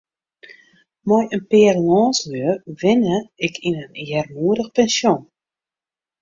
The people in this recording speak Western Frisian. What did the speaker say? Mei in pear lânslju wenne ik yn in earmoedich pensjon.